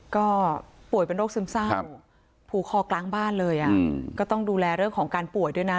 ก็ป่วยเป็นโรคซึมเศร้าผูกคอกลางบ้านเลยอ่ะก็ต้องดูแลเรื่องของการป่วยด้วยนะ